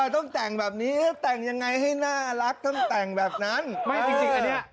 ต้องแต่งแบบนี้แต่งยังไงให้น่ารักต้องแต่งแบบนั้นไม่จริงอันนี้